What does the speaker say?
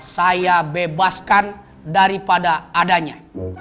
saya bebaskan daripada adanya